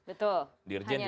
betul hanya dari satu